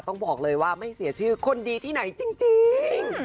ต้องบอกเลยว่าไม่เสียชื่อคนดีที่ไหนจริง